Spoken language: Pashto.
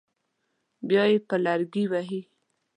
بیا یې په لرګي وهي.